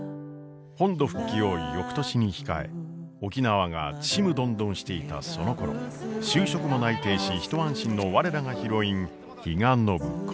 本土復帰を翌年に控え沖縄がちむどんどんしていたそのころ就職も内定し一安心の我らがヒロイン比嘉暢子。